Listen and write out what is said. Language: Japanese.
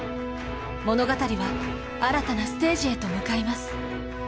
物語は新たなステージへと向かいます。